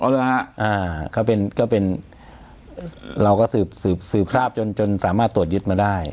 เราก็สืบทราบจนสามารถตรวจยึดมาได้